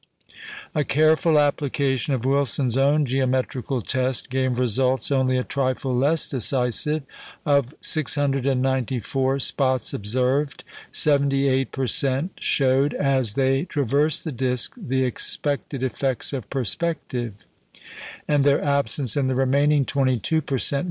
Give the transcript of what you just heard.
A careful application of Wilson's own geometrical test gave results only a trifle less decisive. Of 694 spots observed, 78 per cent. showed, as they traversed the disc, the expected effects of perspective; and their absence in the remaining 22 per cent.